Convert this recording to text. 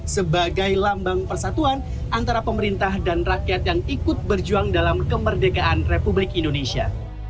sebagai lambang persatuan antara pemerintah dan rakyat yang ikut berjuang dalam kemerdekaan republik indonesia